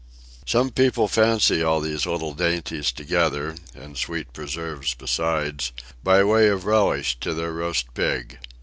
Some people fancy all these little dainties together (and sweet preserves beside), by way of relish to their roast pig.